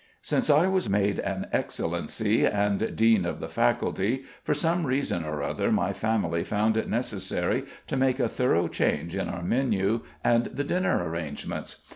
Since I was made an Excellency and Dean of the Faculty, for some reason or other my family found it necessary to make a thorough change in our menu and the dinner arrangements.